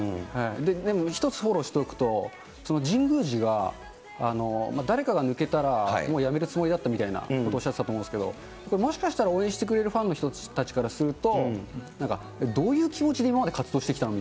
でも一つフォローしておくと、神宮寺が誰かが抜けたらもう辞めるつもりだったということをおっしゃっていたと思うんですけれども、これ、もしかしたら応援してくれるファンの人たちからすると、どういう気持ちで今まで活動してきたの？